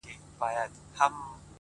خو ستا د زلفو له هر تار سره خبرې کوي!